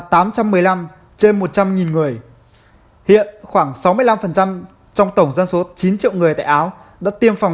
hiện trên một trăm linh người hiện khoảng sáu mươi năm trong tổng dân số chín triệu người tại áo đã tiêm phòng